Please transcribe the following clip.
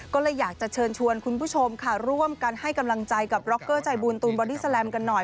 ก็เลยอยากจะเชิญชวนคุณผู้ชมค่ะร่วมกันให้กำลังใจกับร็อกเกอร์ใจบูลตูนบอดี้แลมกันหน่อย